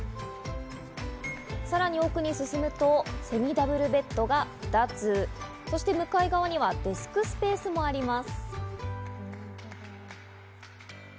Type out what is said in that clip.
さらに奥に進むと、セミダブルベッドが２つ、向かい側にはデスクスペースもあります。